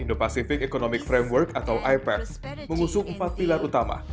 indo pacific economic framework atau ipex mengusung empat pilar utama